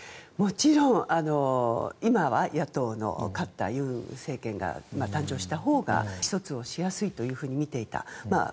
もちろん今は野党の勝ったユン政権が誕生したほうが意思疎通をしやすいと見ていた。